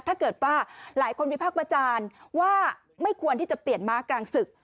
ถ้าเกิดว่าหลายคนวิพากษ์วิจารณ์ว่าไม่ควรที่จะเปลี่ยนม้ากลางศึก